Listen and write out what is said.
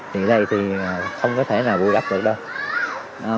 thì đây thì không có thể nào bụi gấp được đâu